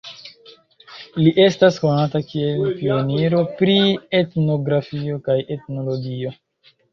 Li estas konata kiel pioniro pri etnografio kaj etnologio.